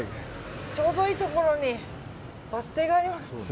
ちょうどいいところにバス停があります。